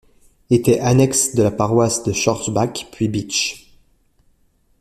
Était annexe de la paroisse de Schorbach puis Bitche.